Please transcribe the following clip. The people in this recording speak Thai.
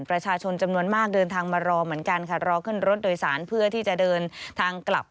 ประชาชนจำนวนมากเดินทางมารอเหมือนกันค่ะรอขึ้นรถโดยสารเพื่อที่จะเดินทางกลับ